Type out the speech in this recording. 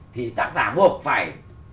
thì tác giả buộc phải